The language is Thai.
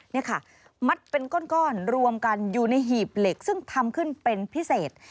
นี่ค่ะมัดเป็นก้อนรวมกันอยู่ในหีบเหล็กซึ่งทำขึ้นเป็นพิเศษ